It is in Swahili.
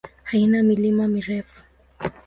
Haina milima mirefu.